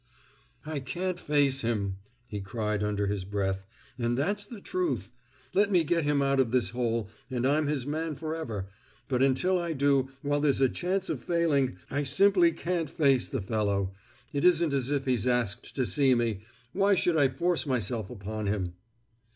"I can't face him," he cried under his breath, "and that's the truth! Let me get him out of this hole, and I'm his man forever; but until I do, while there's a chance of failing, I simply can't face the fellow. It isn't as if he'd asked to see me. Why should I force myself upon him?"